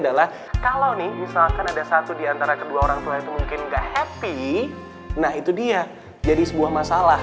ikhtiar dan tawakal